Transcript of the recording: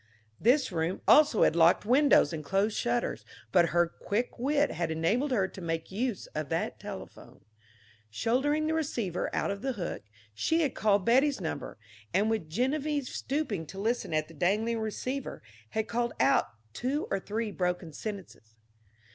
This room also had locked windows and closed shutters, but her quick wit had enabled her to make use of that telephone. Shouldering the receiver out of the hook, she had called Betty's number, and, with Geneviève stooping to listen at the dangling receiver, had called out two or three broken sentences.